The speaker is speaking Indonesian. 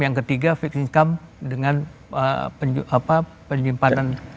yang ketiga fixed income dengan penyimpanan